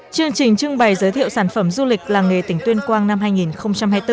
chương trình trưng bày giới thiệu sản phẩm du lịch làng nghề tỉnh tuyên quang năm hai nghìn hai mươi bốn